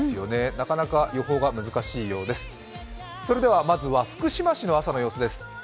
なかなか予報が難しいようです、それではまずは福島市の朝の様子です。